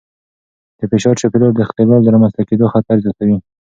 د فشار چاپېریال د اختلال د رامنځته کېدو خطر زیاتوي.